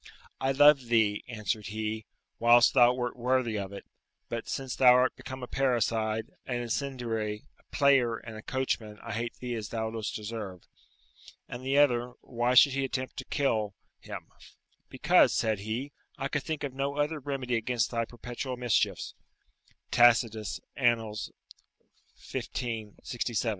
"I loved thee," answered he, "whilst thou wert worthy of it, but since thou art become a parricide, an incendiary, a player, and a coachman, I hate thee as thou dost deserve." And the other, why he should attempt to kill him? "Because," said he, "I could think of no other remedy against thy perpetual mischiefs." [Tacitus, Annal., xv. 67.